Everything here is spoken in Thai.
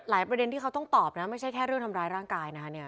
หลายประเด็นที่เค้าต้องตอบนะไม่ใช่แค่เรื่องทำร้ายร่างกายนะ